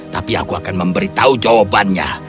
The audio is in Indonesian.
tapi aku akan memberi tahu jawabannya